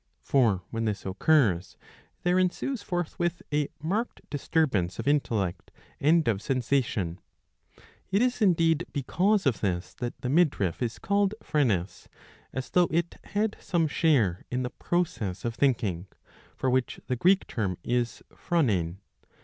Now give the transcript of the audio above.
For when this occurs there ensueS forthwith a marked disturbance of intellect and of sensation. It is indeed because of this that the midriff is called^ Phrenes, as though it. had some share in the process of thinking, for which the Greek term is PJironein.